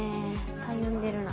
たゆんでるな。